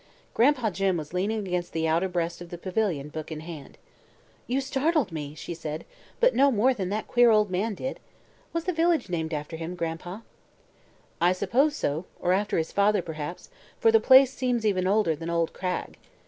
Gran'pa Jim was leaning against the outer breast of the pavilion, book in hand. "You startled me," she said, "but no more than that queer old man did. Was the village named after him, Gran'pa?" "I suppose so; or after his father, perhaps, for the place seems even older than old Cragg.